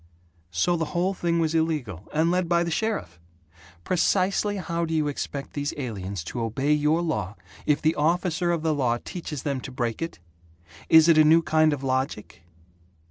"So the whole thing was illegal and led by the sheriff! Precisely how do you expect these aliens to obey your law if the officer of the law teaches them to break it? Is it a new kind of logic?"